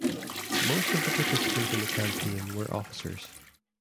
Most of the participants in the campaign were officers.